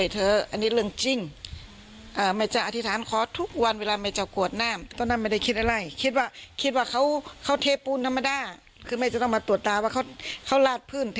ตอนนั้นไม่ได้คิดอะไรไม่ได้คิดอะไรเลย